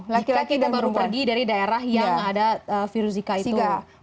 lagi lagi baru pergi dari daerah yang ada zika itu